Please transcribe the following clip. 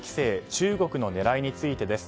中国の狙いについてです。